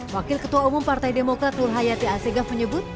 wakil ketua umum partai demokrat lurhaya t a segaf menyebut